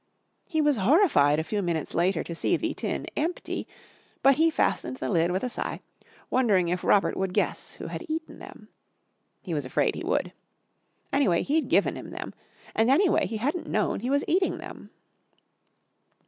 He was horrified a few minutes later to see the tin empty, but he fastened the lid with a sigh, wondering if Robert would guess who had eaten them. He was afraid he would. Anyway he'd given him them. And anyway, he hadn't known he was eating them.